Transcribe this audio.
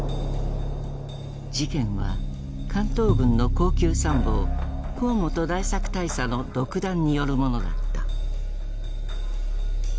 事件は関東軍の高級参謀河本大作大佐の独断によるものだった。